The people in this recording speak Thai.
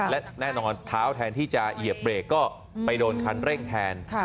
และแน่นอนเท้าแทนที่จะเหยียบเบรกก็ไปโดนคันเร่งแทน